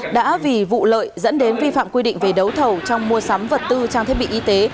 đã vì vụ lợi dẫn đến vi phạm quy định về đấu thầu trong mua sắm vật tư trang thiết bị y tế